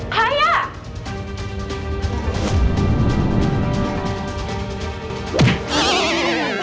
ใครอ่ะ